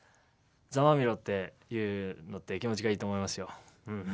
「ざまぁみろ」って言うのって気持ちがいいと思いますよ。